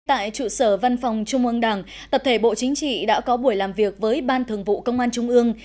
tại trụ sở văn phòng trung ương đảng tập thể bộ chính trị đã có buổi làm việc với ban thường vụ công an trung ương